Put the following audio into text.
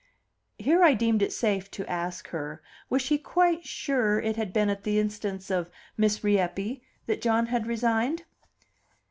Here I deemed it safe to ask her, was she quite sure it had been at the instance of Miss Rieppe that John had resigned?